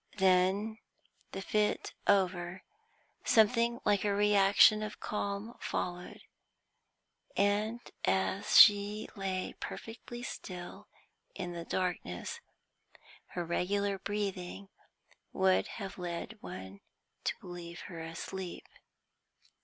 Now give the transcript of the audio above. Then, the fit over, something like a reaction of calm followed, and as she lay perfectly still in the darkness, her regular breathing would have led one to believe her asleep.